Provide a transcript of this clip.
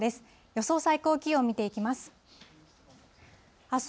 予想最高気温、見ていきます。